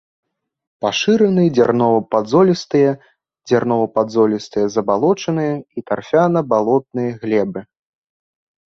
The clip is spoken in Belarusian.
Пашыраны дзярнова-падзолістыя, дзярнова-падзолістыя забалочаныя і тарфяна-балотныя глебы.